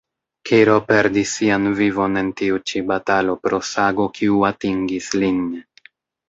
Kiro perdis sian vivon en tiu ĉi batalo pro sago kiu atingis lin.